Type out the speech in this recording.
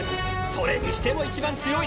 それにしても１番強い！